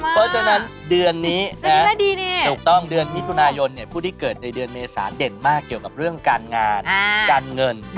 เพราะฉะนั้นเดือนนี้ถูกต้องเดือนมิถุนายนผู้ที่เกิดในเดือนเมษาเด่นมากเกี่ยวกับเรื่องการงานการเงิน